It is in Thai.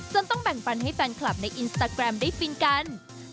ต้องแบ่งฟันให้แฟนคลับในอินสตาแกรมได้ฟินกัน